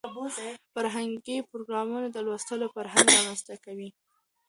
فرهنګي پروګرامونه د لوستلو فرهنګ رامنځته کوي.